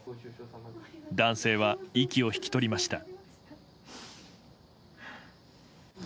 男性は息を引き取りました。